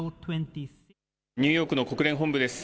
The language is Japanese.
ニューヨークの国連本部です。